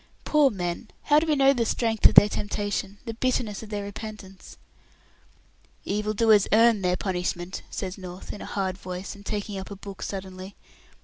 "Poor men! How do we know the strength of their temptation, the bitterness of their repentance?" "Evil doers earn their punishment," says North, in a hard voice, and taking up a book suddenly.